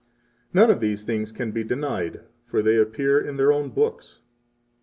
14 None of these things can be denied; for they appear in their own books.